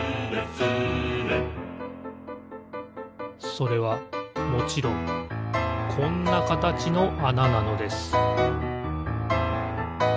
それはもちろんこんなかたちのあななのです